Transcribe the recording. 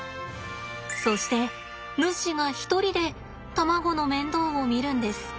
そしてヌシが一人で卵の面倒を見るんです。